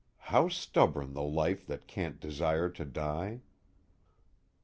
How stubborn the life that can't desire to die!